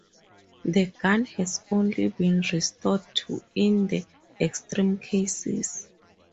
The gun has only been resorted to in the extreme cases.